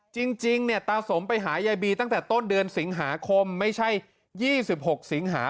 จริงเนี่ยตาสมไปหายายบีตั้งแต่ต้นเดือนสิงหาคมไม่ใช่๒๖สิงหา